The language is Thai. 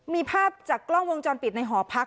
มีภาพจากกล้องวงจรปิดในหอพัก